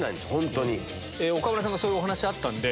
岡村さんからそういうお話あったんで。